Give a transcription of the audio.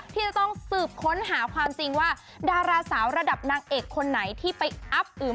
ที่จะต้องสืบค้นหาความจริงว่าดาราสาวระดับนางเอกคนไหนที่ไปอัพอื่ม